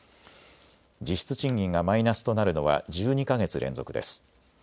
実質賃金がマイナスとなるのは１２か月連続です。